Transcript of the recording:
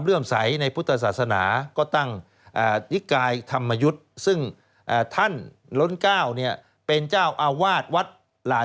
ฮ่าฮ่าฮ่าฮ่าฮ่าฮ่า